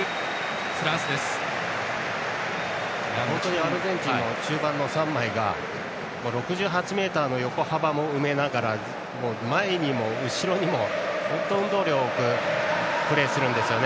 アルゼンチンの中盤の３枚が６８ｍの横幅も埋めながら前にも後ろにも本当に運動量多くプレーするんですね。